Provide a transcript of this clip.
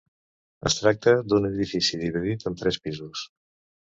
Es tracta d’un edifici dividit en tres pisos.